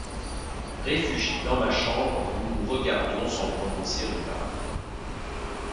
Réfugiés dans ma chambre, nous nous regardions sans prononcer une parole.